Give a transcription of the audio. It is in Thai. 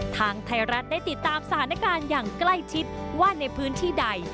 ทางไทยรัฐได้ติดตามสถานการณ์อย่างใกล้ชิดว่าในพื้นที่ใด